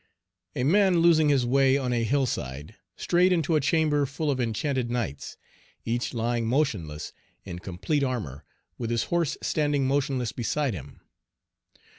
A man losing his way on a hillside, strayed into a chamber full of enchanted knights, each lying motionless, in complete armor, with his horse standing motionless beside him.